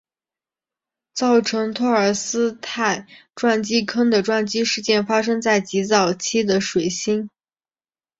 造成托尔斯泰撞击坑的撞击事件发生在极早期的水星。